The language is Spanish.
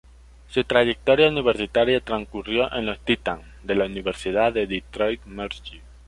Su trayectoria universitaria transcurrió en los "Titans" de la Universidad de Detroit Mercy.